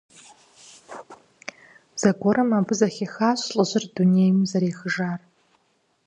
Зэгуэрым абы зэхихащ лӀыжьыр дунейм зэрехыжар.